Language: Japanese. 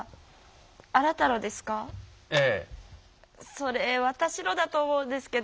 それ私のだと思うんですけど。